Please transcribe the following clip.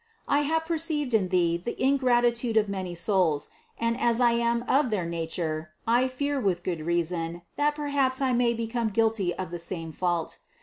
I have perceived in Thee the ingratitude of many souls, and as I am of their nature, I fear with good reason, that perhaps I may become guilty of the same fault.